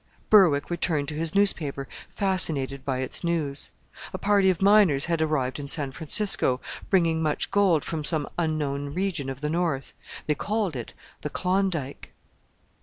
Berwick returned to his newspaper, fascinated by its news. A party of miners had arrived in San Francisco bringing much gold from some unknown region of the north. They called it the Klondike.